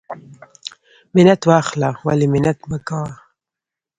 ـ منت واخله ولی منت مکوه.